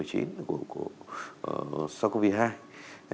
của covid một mươi chín sau covid một mươi chín